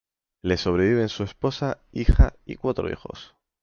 Le sobreviven su esposa, hija y cuatro hijos.